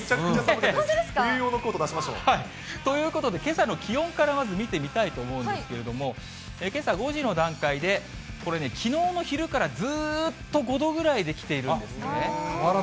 本当ですか？ということで、けさの気温からまず見てみたいと思うんですけれども、けさ５時の段階で、これね、きのうの昼からずっと５度ぐらいで来ているんですね。